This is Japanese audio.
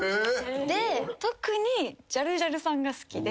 で特にジャルジャルさんが好きで。